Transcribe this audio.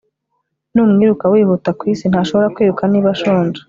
n'umwiruka wihuta kwisi ntashobora kwiruka niba ashonje